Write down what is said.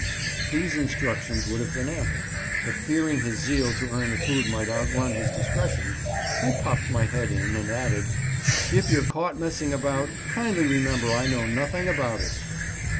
These instructions would have been ample, but fearing his zeal to earn the food might outrun his discretion, I popped my head in and added, "If you're caught messing about, kindly remember I know nothing about it."